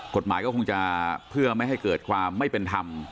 กฎหมายก็คงจะเพื่อไม่ให้เกิดความไม่เป็นธรรม